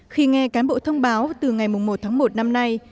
khi nghe cán bộ thông báo từ ngày một tháng một năm nay